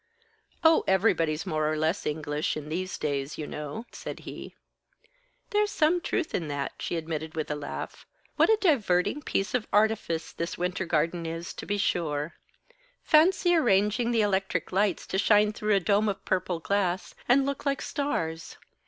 "Oh, everybody's more or less English, in these days, you know," said he. "There's some truth in that," she admitted, with a laugh. "What a diverting piece of artifice this Wintergarten is, to be sure. Fancy arranging the electric lights to shine through a dome of purple glass, and look like stars.